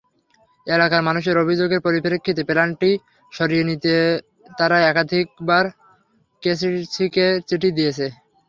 এলাকার মানুষের অভিযোগের পরিপ্রেক্ষিতে প্ল্যান্টটি সরিয়ে নিতে তারা একাধিকবার কেসিসিকে চিঠি দিয়েছে।